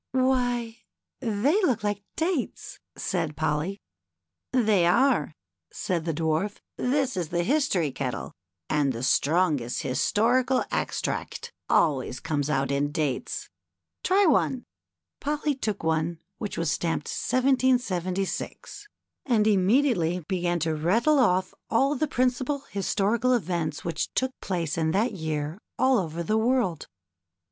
" Why, they look like dates !" said Polly. " They are," said the Dwarf ;" this is the History kettle, and the strongest historical extract always comes out in dates. Try one." Polly took one which was stamped 177f>, and immedi POLLY'S VISIT TO THE BOOK KITCHEN. ately began to rattle off all the principal historical events which took place in that year all over the world.